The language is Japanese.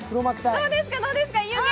どうですか、どうですか、湯気。